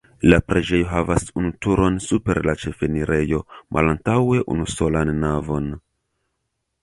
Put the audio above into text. La preĝejo havas unu turon super la ĉefenirejo, malantaŭe unusolan navon.